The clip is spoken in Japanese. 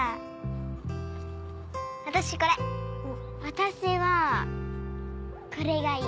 私はこれがいい。